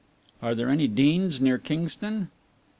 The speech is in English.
"Are there any 'Deans' near Kingston?"